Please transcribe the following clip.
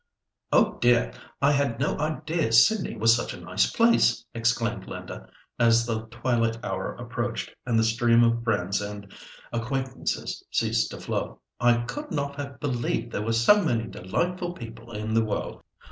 "Oh, dear! I had no idea Sydney was such a nice place," exclaimed Linda, as the twilight hour approached, and the stream of friends and acquaintances ceased to flow. "I could not have believed there were so many delightful people in the world.